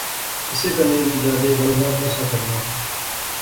کسے کنے وی جادے گل بات نہسا کرنا